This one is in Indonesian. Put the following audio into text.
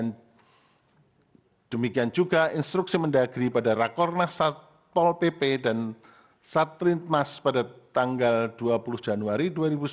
nah demikian juga instruksi mendagri pada rakornas satpol pp dan satrinmas pada tanggal dua puluh januari dua ribu sembilan belas